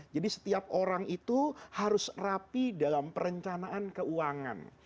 jadi setiap orang itu harus rapi dalam perencanaan keuangan